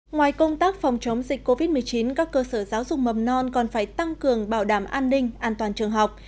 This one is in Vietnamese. ngoài công tác phòng chống dịch covid một mươi chín các cơ sở giáo dục mầm non còn phải tăng cường bảo đảm an ninh an toàn trường học